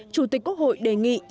chủ tịch quốc hội đề nghị